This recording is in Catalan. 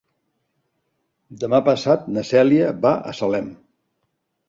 Demà passat na Cèlia va a Salem.